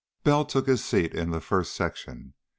Bell took his seat in the first section.